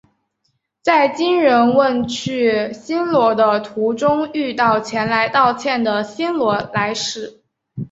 在金仁问去新罗的途中遇到前来道歉的新罗来使。